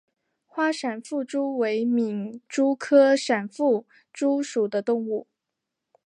花闪腹蛛为皿蛛科闪腹蛛属的动物。